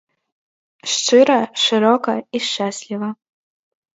Шчыра, шырока і шчасліва.